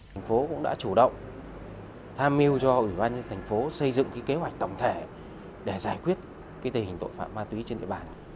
thành phố cũng đã chủ động tham mưu cho ủy ban nhân thành phố xây dựng kế hoạch tổng thể để giải quyết tình hình tội phạm ma túy trên địa bàn